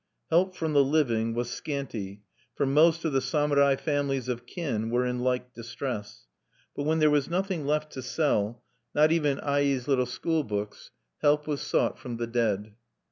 Help from the living was scanty, for most of the samurai families of kin were in like distress. But when there was nothing left to sell, not even Ai's little school books, help was sought from the dead.